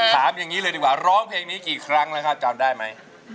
ถามอย่างนี้เลยดีกว่าร้องเพลงนี้กี่ครั้งแล้วครับจำได้ไหม